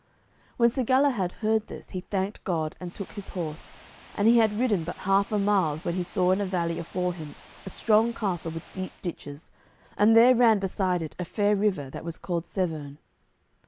When Sir Galahad heard this, he thanked God and took his horse, and he had ridden but half a mile when he saw in a valley afore him a strong castle with deep ditches, and there ran beside it a fair river, that was called Severn.